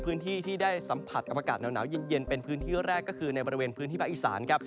พื้นที่ที่ได้สัมผัสกับอากาศหนาวเย็นเป็นพื้นที่แรกก็คือในบริเวณพื้นที่ภาคอีสานครับ